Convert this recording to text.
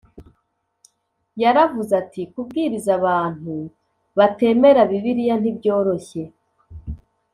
Yaravuze ati kubwiriza abantu batemera Bibiliya ntibyoroshye